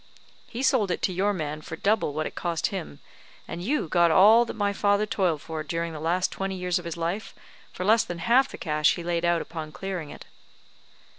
He sold it to your man for double what it cost him; and you got all that my father toiled for during the last twenty years of his life for less than half the cash he laid out upon clearing it."